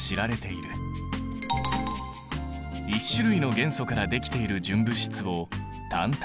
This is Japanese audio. １種類の元素からできている純物質を単体。